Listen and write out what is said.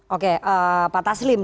oke pak taslim